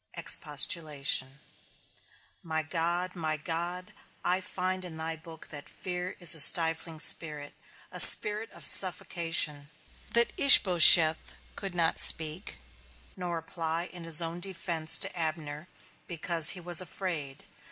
EXPOSTULATION. My God, my God, I find in thy book that fear is a stifling spirit, a spirit of suffocation; that Ishbosheth could not speak, nor reply in his own defence to Abner, because he was afraid.